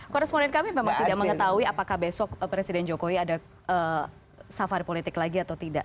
koresponden kami memang tidak mengetahui apakah besok presiden jokowi ada safari politik lagi atau tidak